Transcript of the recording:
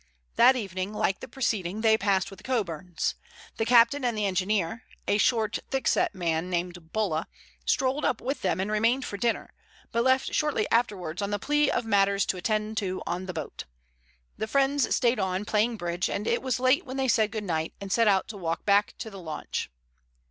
That evening, like the preceding, they passed with the Coburns. The captain and the engineer—a short, thick set man named Bulla—strolled up with them and remained for dinner, but left shortly afterwards on the plea of matters to attend to on board. The friends stayed on, playing bridge, and it was late when they said good night and set out to walk back to the launch.